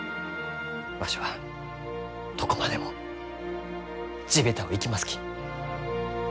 わしはどこまでも地べたを行きますき。